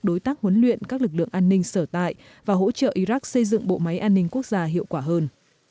đối tác huấn luyện các lực lượng an ninh sở tại và hỗ trợ iraq xây dựng bộ máy an ninh quốc gia hiệu quả hơn